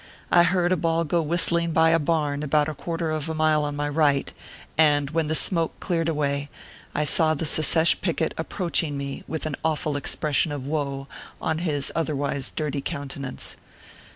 I heard a ball go whistling by a barn about a quarter of a mile on my right ; and, when the smoke cleared away, I saw the secesh picket approaching me with an awful expression of woe on his otherwise dirty countenance.